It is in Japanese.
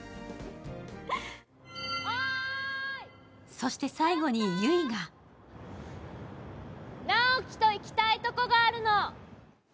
そして最後に悠依が直木と行きたいとこがあるの。